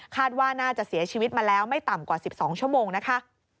ว่าน่าจะเสียชีวิตมาแล้วไม่ต่ำกว่า๑๒ชั่วโมงนะคะ